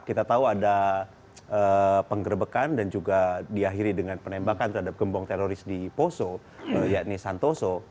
kita tahu ada penggerbekan dan juga diakhiri dengan penembakan terhadap gembong teroris di poso yakni santoso